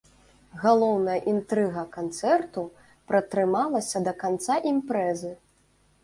Галоўная інтрыга канцэрту пратрымалася да канца імпрэзы.